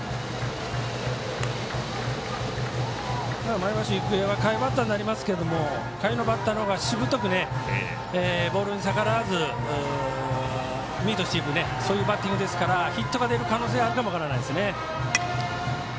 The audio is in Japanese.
前橋育英は下位バッターになりますが下位のバッターのほうがしぶとくボールに逆らわずミートしていくそういうバッティングですからヒットが出る可能性はあるかも分からないですね。